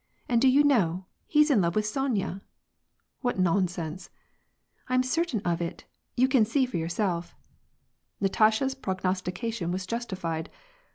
And do you know, he's in love with Sonya ?"" What nonsense "—" I'm certain of it, you can see for jrourself." Natasha's prognostication was justified.